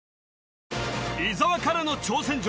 伊沢からの挑戦状